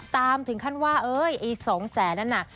ตามถึงขั้นว่าเอ๋ยไอ้สองแสนนั่นน่ะ